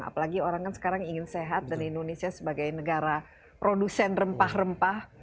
apalagi orang kan sekarang ingin sehat dan indonesia sebagai negara produsen rempah rempah